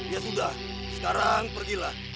ya sudah sekarang pergilah